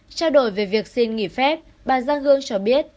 trao đổi về việc xin nghỉ phép bà giang hương cho biết